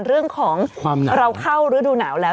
เรื่องของเราเข้ารูดูหนาวแล้ว